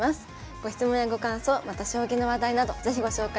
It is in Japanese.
ご質問やご感想また将棋の話題など是非ご紹介ください。